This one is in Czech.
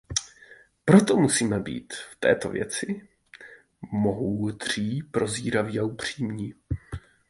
Proto musíme být v této věci moudří, prozíraví a upřímní.